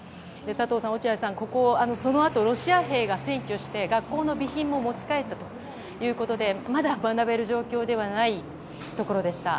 佐藤さん、落合さん、ここをそのあとロシア兵が占拠して学校の備品も持ち帰ったということでまだ学べる状況ではないところでした。